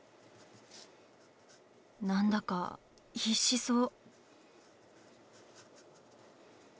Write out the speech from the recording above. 何だか必死そう。